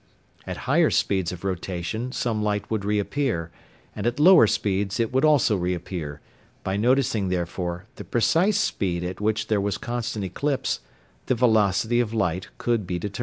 At higher speeds of rotation some light would reappear, and at lower speeds it would also reappear; by noticing, therefore, the precise speed at which there was constant eclipse the velocity of light could be determined.